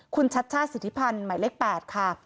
คุณชัชช่าศิษฐิพันธ์ใหม่เล็ก๘ค่ะ